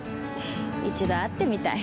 一度会ってみたい。